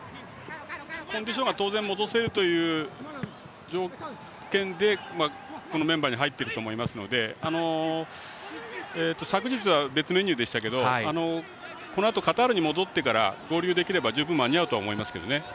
コンディションは当然、戻せるという条件でメンバーに入っていると思いますので昨日は別メニューでしたけどこのあとカタールに戻ってから合流できれば十分、間に合うと思います。